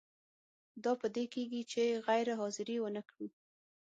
دا په دې کیږي چې غیر حاضري ونه کړو.